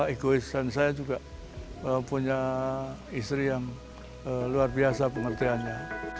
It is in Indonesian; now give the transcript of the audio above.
egoisan saya juga punya istri yang luar biasa pengertiannya